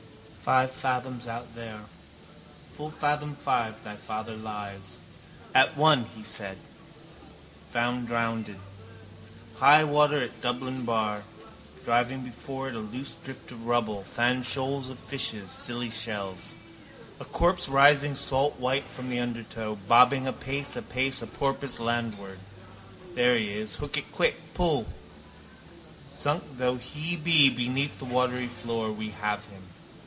Five fathoms out there. Full fathom five thy father lies. At one, he said. Found drowned. High water at Dublin bar. Driving before it a loose drift of rubble, fanshoals of fishes, silly shells. A corpse rising saltwhite from the undertow, bobbing a pace a pace a porpoise landward. There he is. Hook it quick. Pull. Sunk though he be beneath the watery floor. We have him.